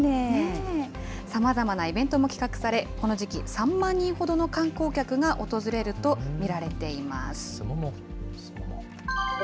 さまざまなイベントも企画され、この時期、３万人ほどの観光客が訪れると見られています。